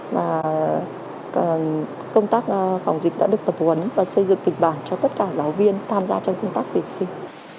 và công tác phòng dịch đã được tập huấn và xây dựng kịch bản cho tất cả giáo viên tham gia trong công tác tuyển sinh